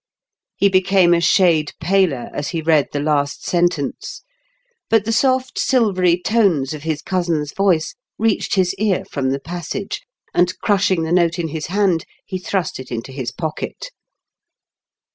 He became a shade paler as he read the last sentence, but the soft silvery tones of his cousin's voice reached his ear from the passage, and, crushing the note in his hand, he thrust it into his pocket.